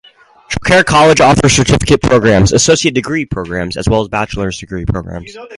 Trocaire College offers certificate programs, Associate's degree programs, as well as Bachelor's degree programs.